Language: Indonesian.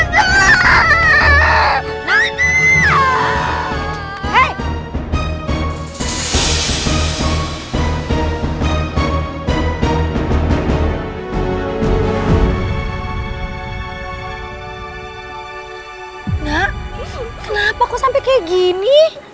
nak kenapa kok sampai kayak gini